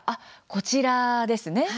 こちらですね。